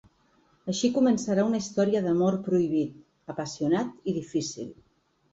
Així començarà una història d’amor prohibit, apassionat i difícil.